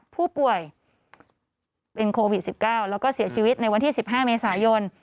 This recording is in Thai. ผู้ป่วยเป็นโควิด๑๙แล้วก็เสียชีวิตในวันที่๑๕เมษายน